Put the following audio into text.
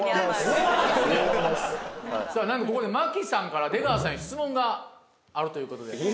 さあなんとここで牧さんから出川さんへ質問があるという事で。